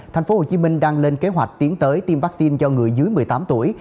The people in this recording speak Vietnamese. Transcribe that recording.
tp hcm đang lên kế hoạch tiến tới tiêm vaccine cho người dưới một mươi tám tuổi